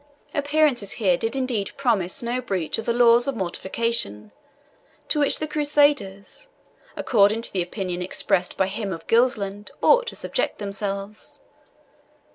Appearances here did indeed promise no breach of the laws of mortification, to which the Crusaders, according to the opinion expressed by him of Gilsland, ought to subject themselves.